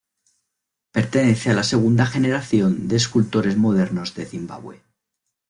Pertenece a la segunda generación de escultores modernos de Zimbabue.